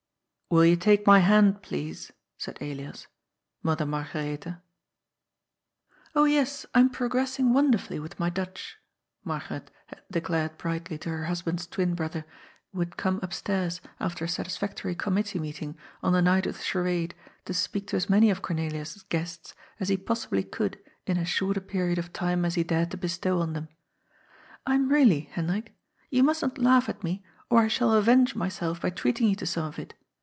^' Will you take my hand, please," said Elias, '^ Mother Margaretha?" " Oh yes, I am progressing wonderfully with my Dutch," Margaret declared brightly to her husband's twin brother, who had come upstairs, after a satisfactory committee meet ing, on the night of the charade, to speak to as many of Cor nelia's guests as he possibly could in as short a period of time as he dared to bestow on them. ^' I am really, Hen drik. You mustn't laugh at me, or I shall avenge myself by treating you to some of it.